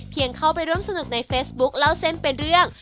เข้าไปร่วมสนุกในเฟซบุ๊คเล่าเส้นเป็นเรื่อง